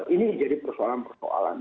ini jadi persoalan persoalan